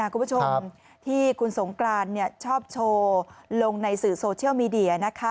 คุณผู้ชมที่คุณสงกรานชอบโชว์ลงในสื่อโซเชียลมีเดียนะคะ